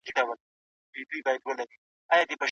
د ټکنالوژۍ په مټ موږ هر ډول ژبه زده کولای سو.